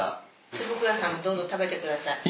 坪倉さんもどうぞ食べてください。